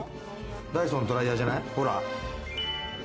ダイソンのドライヤーじゃない？